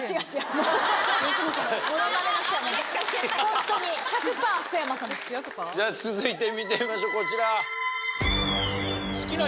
ホントに。じゃ続いて見てみましょうこちら。